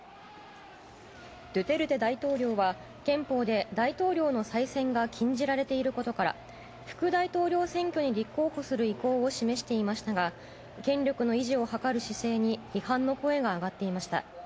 ドゥテルテ大統領は憲法で、大統領の再選が禁じられていることから副大統領選挙に立候補する意向を示していましたが権力の維持を図る姿勢に批判の声が上がっていました。